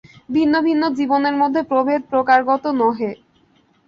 ভিন্ন ভিন্ন জীবনের মধ্যে প্রভেদ প্রকারগত নহে।